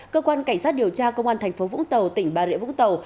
cơ quan cảnh sát điều tra công an thành phố vũng tàu tỉnh bà rịa vũng tàu